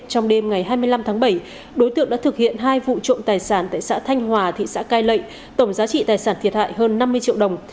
trong đêm ngày hai mươi năm tháng bảy đối tượng đã thực hiện hai vụ trộm tài sản tại xã thanh hòa thị xã cai lệ tổng giá trị tài sản thiệt hại hơn năm mươi triệu đồng